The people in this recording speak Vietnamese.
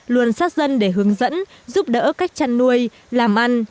luôn sát dân để hướng dẫn giúp đỡ cách chăn nuôi làm ăn